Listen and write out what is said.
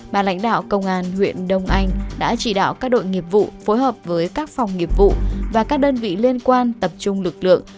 bà lãnh đạo công an huyện đông anh đã chỉ đạo các đội nghiệp vụ phối hợp với các phòng nghiệp vụ và các đơn vị liên quan tập trung lực lượng